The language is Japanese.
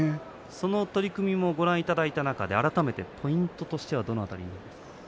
その取組もご覧いただいた中で改めてポイントはどんなところですか。